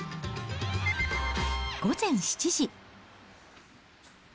午前７時。